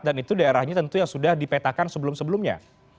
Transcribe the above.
dan itu daerahnya tentu yang sudah dipetakan sebelum sebelumnya